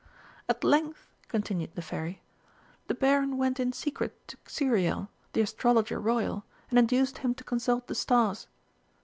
"At length," continued the Fairy, "the Baron went in secret to Xuriel, the Astrologer Royal, and induced him to consult the stars.